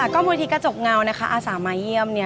ก็บุญวิธีกระจกเงาอาสามาเยี่ยม